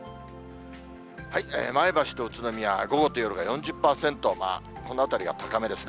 前橋と宇都宮、午後と夜が４０％、この辺りが高めですね。